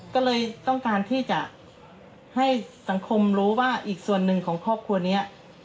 ก็เลยต้องการที่จะให้สังคมรู้ว่าอีกส่วนหนึ่งของครอบครัวนี้